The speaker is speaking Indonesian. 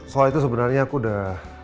soal itu sebenarnya aku udah